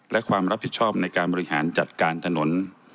และความรับผิดชอบในการบริหารจัดการถนน